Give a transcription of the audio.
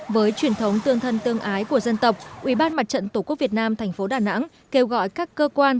với truyền thống tương thân tương ái của dân tộc ubnd tqvn tp đà nẵng kêu gọi các cơ quan